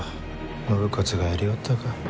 信雄がやりおったか。